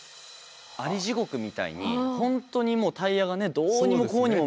アリ地獄みたいに本当にもうタイヤがねどうにもこうにもみたいな。